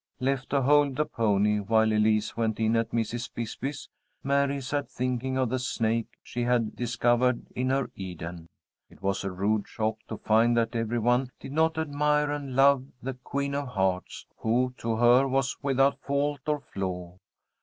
Left to hold the pony while Elise went in at Mrs. Bisbee's, Mary sat thinking of the snake she had discovered in her Eden. It was a rude shock to find that every one did not admire and love the "Queen of Hearts," who to her was without fault or flaw.